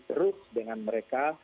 terus dengan mereka